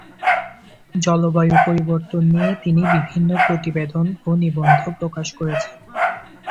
জলবায়ু পরিবর্তন নিয়ে তিনি বিভিন্ন প্রতিবেদন ও নিবন্ধ প্রকাশ করেছেন।